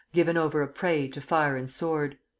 given over a prey to fire and sword.